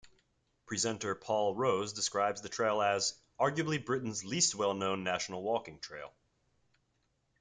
Presenter Paul Rose describes the trail as "arguably Britain's least well-known national walking trail".